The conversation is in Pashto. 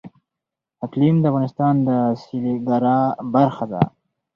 اقلیم د افغانستان د سیلګرۍ برخه ده.